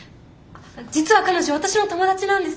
実は彼女私の友達なんです。